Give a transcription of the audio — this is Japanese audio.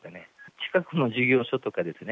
近くの事業所とかですね